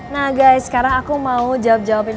nah guy sekarang aku mau jawab jawabin